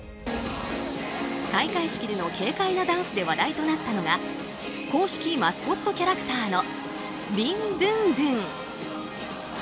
開会式での軽快なダンスで話題となったのが公式マスコットキャラクターのビン・ドゥンドゥン。